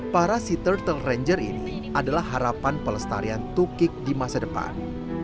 para sea turtle ranger ini adalah harapan pelestarian tukik di masa depan